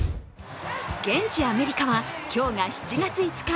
現地アメリカは、今日が７月５日。